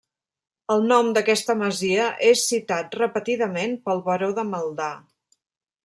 El nom d'aquesta masia és citat repetidament pel Baró de Maldà.